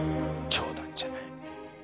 冗談じゃない。